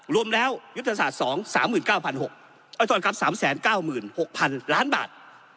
รวมแล้วยุทธศาสตร์๒๓๙๖๐๐ล้านบาท